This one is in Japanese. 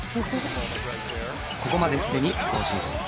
ここまですでに５シーズン